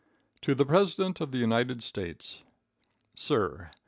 To the President of the United States: Sir.